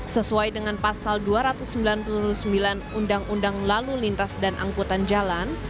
sesuai dengan pasal dua ratus sembilan puluh sembilan undang undang lalu lintas dan angkutan jalan